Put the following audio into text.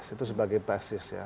itu sebagai basis ya